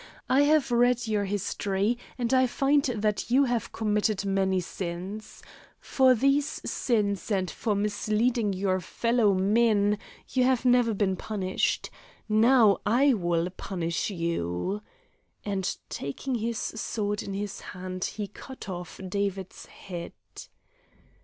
I have read your history, and I find that you have committed many sins. For these sins and for misleading your fellowmen you have never been punished. Now I will punish you," and taking his sword in his hand he cut off David's head.